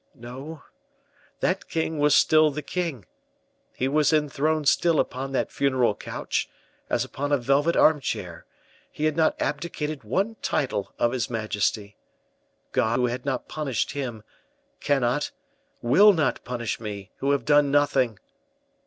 No, that king was still the king: he was enthroned still upon that funeral couch, as upon a velvet armchair; he had not abdicated one title of his majesty. God, who had not punished him, cannot, will not punish me, who have done nothing."